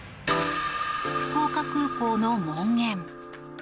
福岡空港の門限。